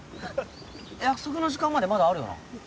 約束の時間までまだあるよな？